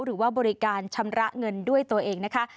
หรือว่าบริการชำระเงินด้วยตัวเองนะคะ